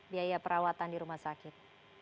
biaya perawatan di rumah sakit